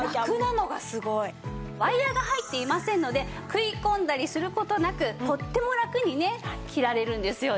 ワイヤが入っていませんので食い込んだりする事なくとってもラクにね着られるんですよね。